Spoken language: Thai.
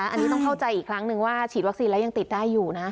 อันนี้ต้องเข้าใจอีกครั้งนึงว่าฉีดวัคซีนแล้วยังติดได้อยู่นะ